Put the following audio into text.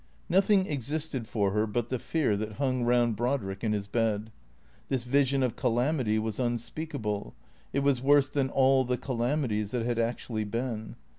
Nothing existed for her but the fear that hung round Brodrick in his bed. This vision of calamity was unspeakable, it was worse than all the calamities that had actually been.